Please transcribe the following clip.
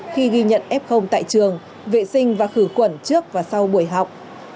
khi ghi nhận f tại trường vệ sinh và khử khuẩn trước và sau buổi học